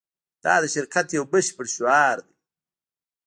دا د شرکت یو بشپړ شعار دی